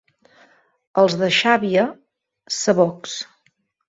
Els de Xàbia, sabocs.